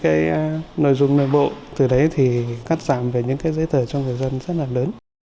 cái nội dung nội bộ từ đấy thì cắt giảm về những cái giấy tờ cho người dân rất là lớn